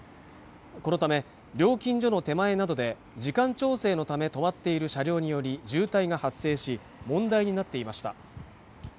このため料金所の手前などで時間調整のため止まっている車両により渋滞が発生し問題になっていました